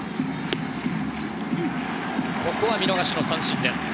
ここは見逃し三振です。